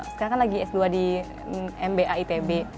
sekarang kan lagi s dua di mba itb